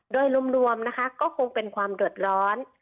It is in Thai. โดยรวมนะคะก็คงเป็นความเดือดร้อน